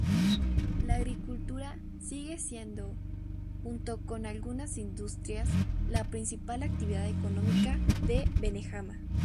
La agricultura sigue siendo, junto con algunas industrias, la principal actividad económica de Benejama.